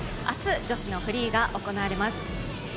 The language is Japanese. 明日、女子のフリーが行われます。